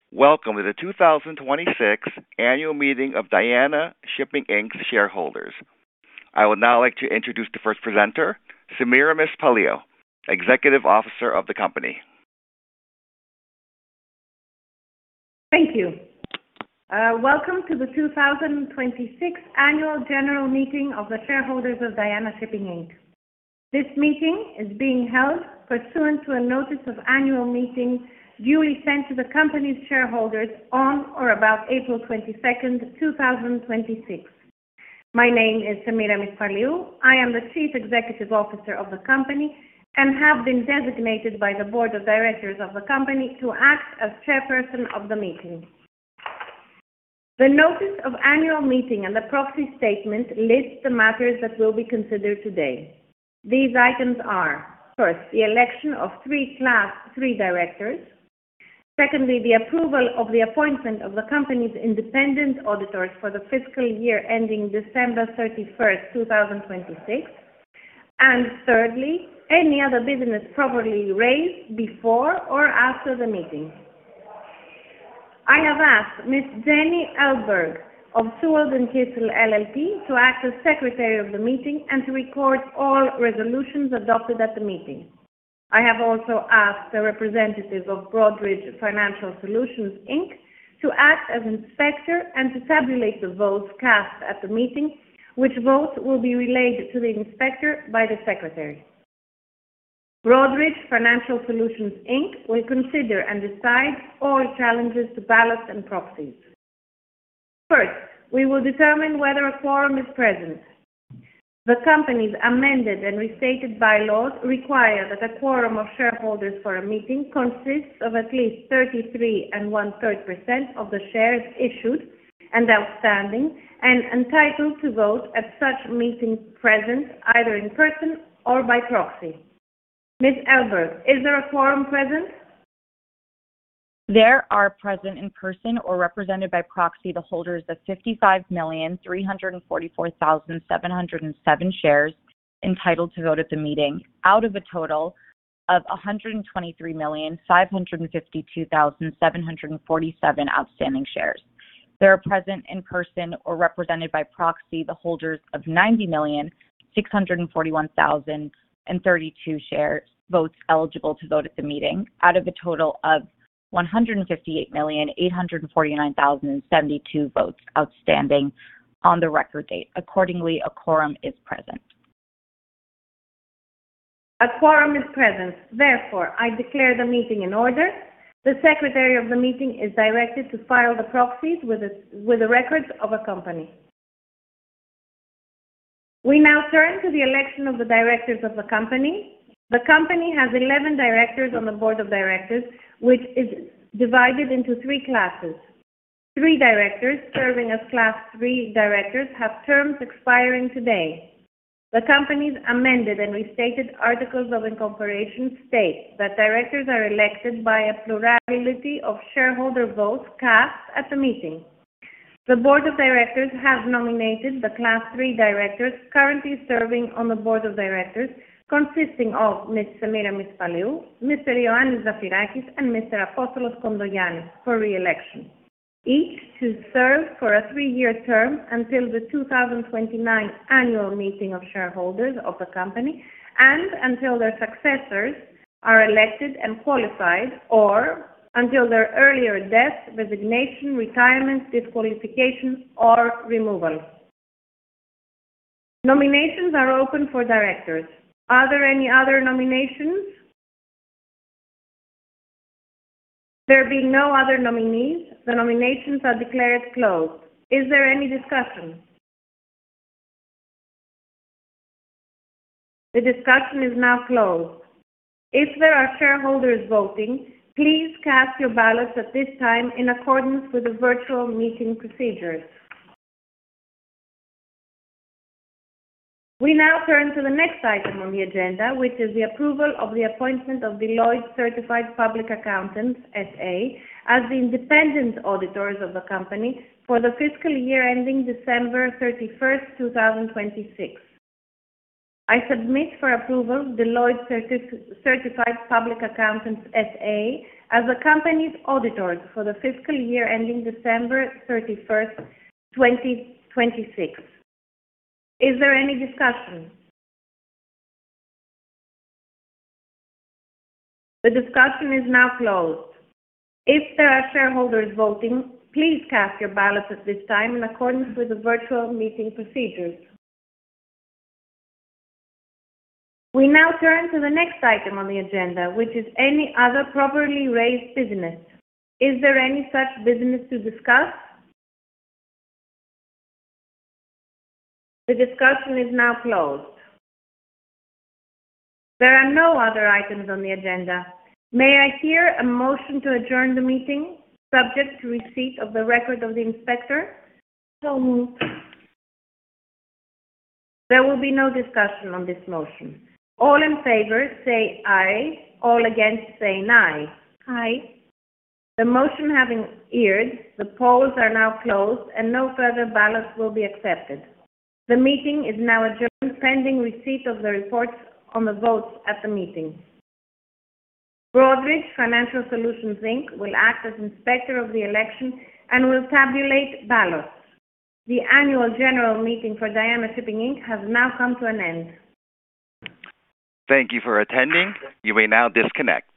Welcome to the 2026 Annual Meeting of Diana Shipping Inc.'s Shareholders. I would now like to introduce the first presenter, Semiramis Paliou, Executive Officer of the company. Thank you. Welcome to the 2026 Annual General Meeting of the Shareholders of Diana Shipping Inc. This meeting is being held pursuant to a notice of Annual Meeting duly sent to the company's shareholders on or about April 22nd, 2026. My name is Semiramis Paliou. I am the Chief Executive Officer of the company and have been designated by the Board of Directors of the company to act as Chairperson of the meeting. The notice of Annual Meeting and the proxy statement list the matters that will be considered today. These items are, first, the election of three Class III Directors. Secondly, the approval of the appointment of the company's independent auditors for the fiscal year ending December 31st, 2026. Thirdly, any other business properly raised before or after the meeting. I have asked Ms. Jenny Elberg of Seward & Kissel LLP to act as Secretary of the meeting and to record all resolutions adopted at the meeting. I have also asked a representative of Broadridge Financial Solutions Inc. to act as Inspector and to tabulate the votes cast at the meeting, which votes will be relayed to the Inspector by the Secretary. Broadridge Financial Solutions Inc. will consider and decide all challenges to ballots and proxies. First, we will determine whether a quorum is present. The company's amended and restated bylaws require that a quorum of shareholders for a meeting consists of at least 33 and 1/3% of the shares issued and outstanding and entitled to vote at such meetings present either in person or by proxy. Ms. Elberg, is there a quorum present? There are present in person or represented by proxy the holders of 55,344,707 shares entitled to vote at the meeting out of a total of 123,552,747 outstanding shares. There are present in person or represented by proxy the holders of 90,641,032 votes eligible to vote at the meeting out of a total of 158,849,072 votes outstanding on the record date. Accordingly, a quorum is present. A quorum is present. Therefore, I declare the meeting in order. The Secretary of the meeting is directed to file the proxies with the records of the company. We now turn to the election of the Directors of the company. The company has 11 Directors on the Board of Directors, which is divided into three classes. Three Directors serving as Class III Directors have terms expiring today. The company's amended and restated articles of incorporation state that directors are elected by a plurality of shareholder votes cast at the meeting. The Board of Directors have nominated the Class III Directors currently serving on the Board of Directors, consisting of Ms. Semiramis Paliou, Mr. Ioannis Zafirakis, and Mr. Apostolos Kontoyiannis for re-election, each to serve for a three-year term until the 2029 Annual Meeting of Shareholders of the Company and until their successors are elected and qualified, or until their earlier death, resignation, retirement, disqualification, or removal. Nominations are open for Directors. Are there any other nominations? There being no other nominees, the nominations are declared closed. Is there any discussion? The discussion is now closed. If there are shareholders voting, please cast your ballots at this time in accordance with the virtual meeting procedures. We now turn to the next item on the agenda, which is the approval of the appointment of Deloitte Certified Public Accountants S.A. As the independent auditors of the company for the fiscal year ending December 31st, 2026. I submit for approval Deloitte Certified Public Accountants S.A. as the company's auditors for the fiscal year ending December 31st, 2026. Is there any discussion? The discussion is now closed. If there are shareholders voting, please cast your ballots at this time in accordance with the virtual meeting procedures. We now turn to the next item on the agenda, which is any other properly raised business. Is there any such business to discuss? The discussion is now closed. There are no other items on the agenda. May I hear a motion to adjourn the meeting, subject to receipt of the record of the inspector? So moved. There will be no discussion on this motion. All in favor, say aye. All against, say nay. Aye. The motion having been heard, the polls are now closed, and no further ballots will be accepted. The meeting is now adjourned pending receipt of the reports on the votes at the meeting. Broadridge Financial Solutions Inc. will act as Inspector of the election and will tabulate ballots. The Annual General Meeting for Diana Shipping Inc. has now come to an end. Thank you for attending. You may now disconnect.